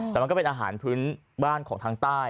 แต่มันก็เป็นอาหารพื้นบ้านของทางใต้